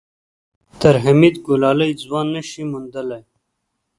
تر حميد ګلالی ځوان نه شې موندلی.